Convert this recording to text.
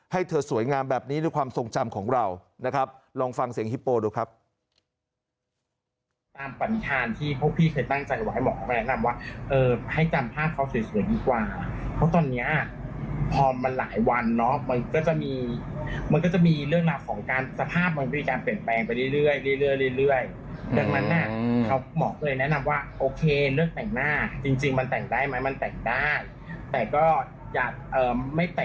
ให้เธอสวยงามแบบนี้ด้วยความทรงจำของเรานะครับลองฟังเสียงฮิปโปดูครับ